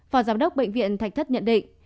phó giám đốc bệnh viện thạch thất nhận định